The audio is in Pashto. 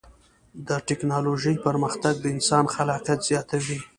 د ټکنالوجۍ پرمختګ د انسان خلاقیت زیاتوي.